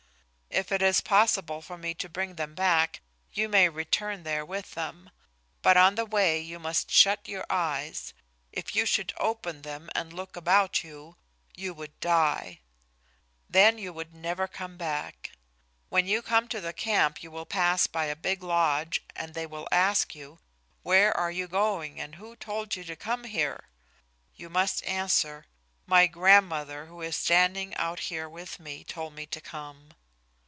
If it is possible for me to bring them back, you may return there with them, but on the way you must shut your eyes. If you should open them and look about you, you would die. Then you would never come back. When you come to the camp you will pass by a big lodge and they will ask you, 'Where are you going and who told you to come here?' You must answer, 'My grandmother, who is standing out here with me, told me to come.'